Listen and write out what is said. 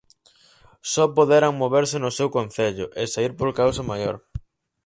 Só poderán moverse no seu concello, e saír por causa maior.